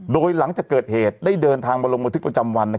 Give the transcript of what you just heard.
โดยหลังจากเกิดเหตุได้เดินทางมาลงบันทึกประจำวัน